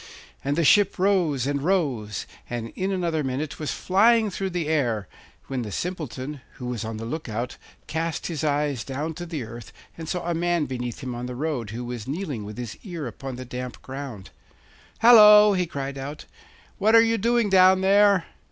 And the ship rose and rose, and in another minute was flying through the air, when the Simpleton, who was on the look out, cast his eyes down to the earth and saw a man beneath him on the road, who was kneeling with his ear upon the damp ground. 'Hallo!' he called out, 'what are you doing down there?